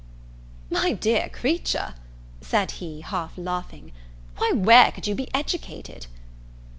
"My dear creature," said he, half laughing, "why where could you be educated?"